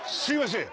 すいません。